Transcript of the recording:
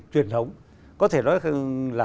truyền thống có thể nói là